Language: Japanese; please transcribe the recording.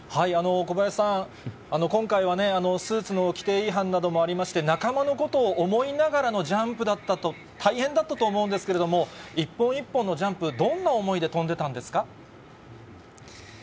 小林さん、今回はスーツの規定違反などもありまして、仲間のことを思いながらのジャンプだったと、大変だったと思うんですけれども、一本一本のジャンプ、どんな思いで飛んでたんですか？